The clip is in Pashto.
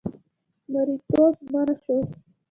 مریتوب منع شو.